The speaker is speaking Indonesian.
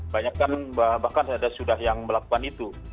banyak kan bahkan sudah yang melakukan itu